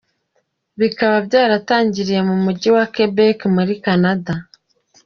Rikaba ryaratangiriye mu mujyi wa Quebec muri Canada.